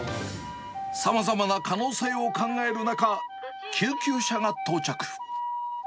さまざまな可能性を考える中、救急車が到着。